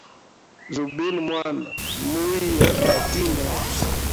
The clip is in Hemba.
Zubila mwana, muhiya gwatine.